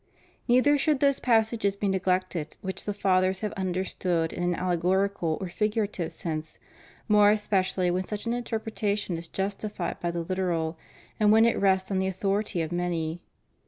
Neither should those passages be neglected which the Fathers have understood in an alle gorical or figurative sense, more especially when such in terpretation is justified by the literal, and when it rests on the authority of many.